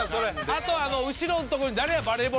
あと後ろの所に。